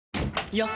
よっ！